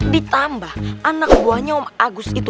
ditambah anak buahnya om agus itu